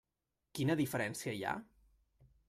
Quina diferència hi ha?